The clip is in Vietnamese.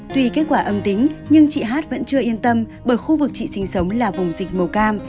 tuy kết quả âm tính nhưng chị hát vẫn chưa yên tâm bởi khu vực chị sinh sống là vùng dịch màu cam